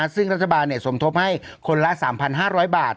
ซึ่งรัฐบาลสมทบให้คนละ๓๕๐๐บาท